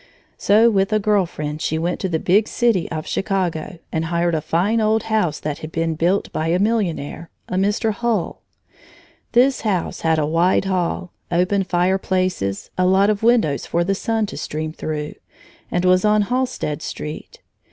So with a girl friend she went to the big city of Chicago and hired a fine old house that had been built by a millionaire, a Mr. Hull. This house had a wide hall, open fireplaces, a lot of windows for the sun to stream through, and was on Halstead Street.